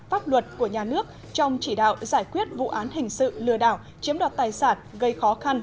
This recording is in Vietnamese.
pháp luật của nhà nước trong chỉ đạo giải quyết vụ án hình sự lừa đảo chiếm đoạt tài sản gây khó khăn